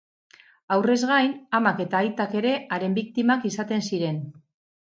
Haurrez gain, amak eta aitak ere haren biktimak izaten ziren.